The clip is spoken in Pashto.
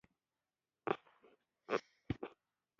هېواد د همت ځای دی